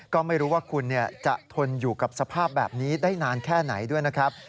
ก็ไม่รู้ว่าคุณจะทนอยู่กับสภาพแบบนี้ได้นานแค่ไหนด้วยนะครับ